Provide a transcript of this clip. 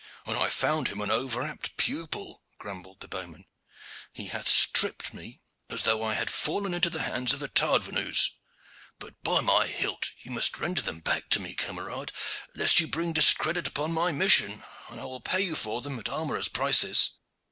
"And I found him an over apt pupil," grumbled the bowman. "He hath stripped me as though I had fallen into the hands of the tardvenus. But, by my hilt! you must render them back to me, camarade, lest you bring discredit upon my mission, and I will pay you for them at armorers' prices."